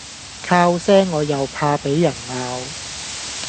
靠賒我又怕俾人鬧